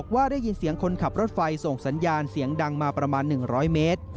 ว่าได้ยินเสียงคนขับรถไฟส่งสัญญาณเสียงดังมาประมาณ๑๐๐เมตร